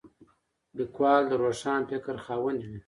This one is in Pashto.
لیکوال د روښان فکر خاوند وي.